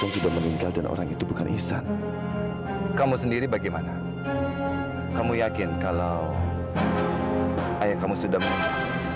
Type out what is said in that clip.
tapi mungkin memang bapak tadi itu memang bukan ayah saya